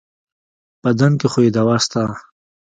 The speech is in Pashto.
بدن کې خو يې دوا شته.